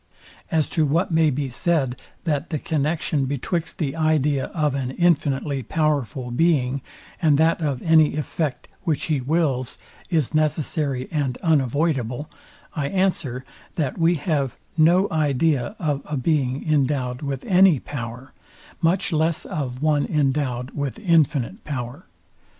As to what may be said, that the connexion betwixt the idea of an infinitely powerful being, and that of any effect, which he wills, is necessary and unavoidable; I answer, that we have no idea of a being endowed with any power, much less of one endowed with infinite power.